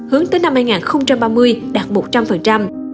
hướng tới năm hai nghìn ba mươi đạt một trăm linh